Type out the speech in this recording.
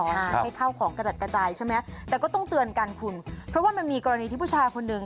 ใช่ให้เข้าของกระจัดกระจายใช่ไหมแต่ก็ต้องเตือนกันคุณเพราะว่ามันมีกรณีที่ผู้ชายคนหนึ่ง